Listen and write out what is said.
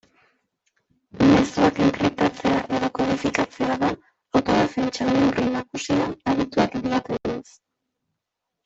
Mezuak enkriptatzea edo kodifikatzea da autodefentsa neurri nagusia adituek diotenez.